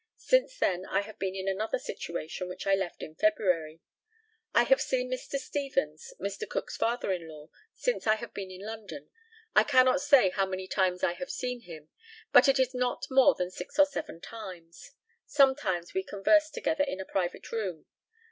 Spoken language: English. Since then I have been in another situation, which I left in February. I have seen Mr. Stevens, Mr. Cook's father in law, since I have been in London. I cannot say how many times I have seen him, but it is not more than six or seven times. Sometimes we conversed together in a private room.